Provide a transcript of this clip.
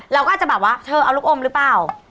เราก็อาจจะแบบว่าเธอเอาลูกอมหรือเปล่า